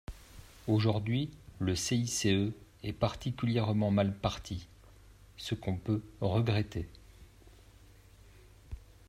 Aujourd’hui, le CICE est particulièrement mal parti, ce qu’on peut regretter.